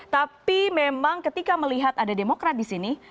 tapi memang ketika melihat ada demokrat disini